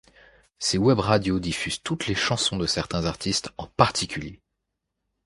Ces webradios diffusent toutes les chansons de certains artistes en particulier.